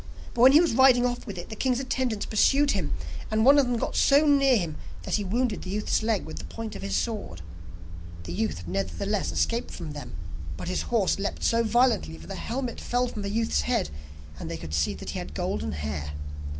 But when he was riding off with it, the king's attendants pursued him, and one of them got so near him that he wounded the youth's leg with the point of his sword. The youth nevertheless escaped from them, but his horse leapt so violently that the helmet fell from the youth's head, and they could see that he had golden hair.